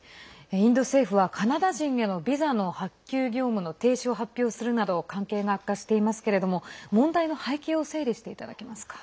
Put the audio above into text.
インド政府はカナダ人へのビザの発給業務の停止を発表するなど関係が悪化していますが問題の背景を整理していただけますか。